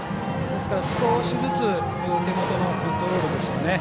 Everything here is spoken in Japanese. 少しずつ、手元のコントロールですよね。